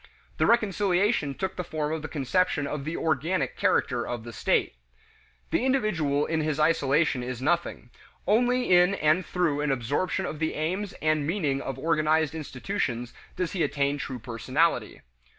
The reconciliation took the form of the conception of the "organic" character of the state. The individual in his isolation is nothing; only in and through an absorption of the aims and meaning of organized institutions does he attain true personality.